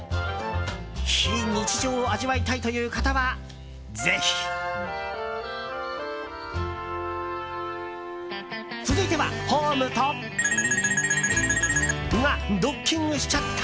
非日常を味わいたいという方はぜひ！続いては、ホームとがドッキングしちゃった